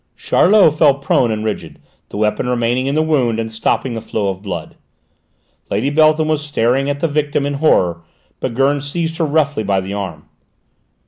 Charlot fell prone and rigid, the weapon remaining in the wound and stopping the flow of blood. Lady Beltham was staring at the victim in horror, but Gurn seized her roughly by the arm.